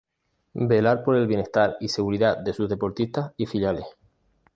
Velar por el bienestar y seguridad de sus deportistas y filiales.